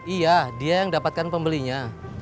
iya dia yang dapatkan pembelinya